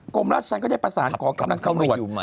กรมรัชชันก็ได้ประสานกรกำลังกำรวจ